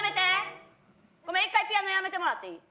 ごめん１回ピアノやめてもらっていい？